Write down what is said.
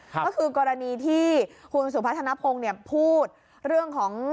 ก็คือกรณีที่คุณสุพัฒนภงพูดเรื่องของ